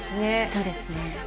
そうですね